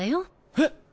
えっ！